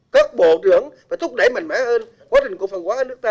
các bộ trưởng phải thúc đẩy mạnh mẽ hơn quá trình của phân quán ở nước ta